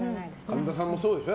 神田さんもそうでしょ？